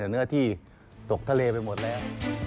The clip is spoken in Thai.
เนื้อที่ตกทะเลไปหมดแล้ว